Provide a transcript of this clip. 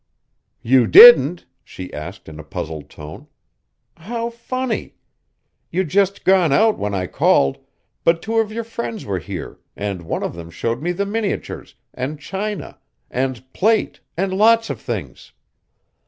"You didn't?" she asked in a puzzled tone. "How funny! You'd just gone out when I called, but two of your friends were here and one of them showed me the miniatures, and china, and plate and lots of things.